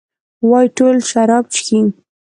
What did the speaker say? وايي ټول شراب چښي؟